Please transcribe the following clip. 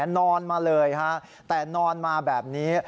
นอนมาเลยฮะแต่นอนมาแบบนี้